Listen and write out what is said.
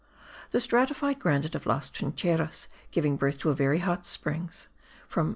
The stratified granite of Las Trincheras, giving birth to very hot springs (from 90.